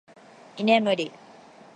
居眠り